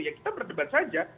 ya kita berdebat saja